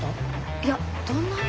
いや「どんなに？」